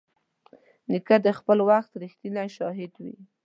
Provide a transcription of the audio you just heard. نیکه د خپل وخت رښتینی شاهد وي.